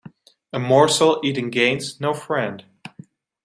A morsel eaten gains no friend.